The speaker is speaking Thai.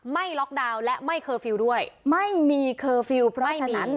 ล็อกดาวน์และไม่เคอร์ฟิลล์ด้วยไม่มีเคอร์ฟิลล์เพราะไม่มีนั้น